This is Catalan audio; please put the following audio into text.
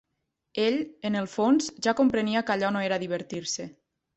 Ell, en el fons, ja comprenia que allò no era divertir-se